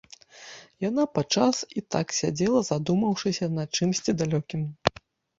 Яна падчас і так сядзела, задумаўшыся над чымсьці далёкім.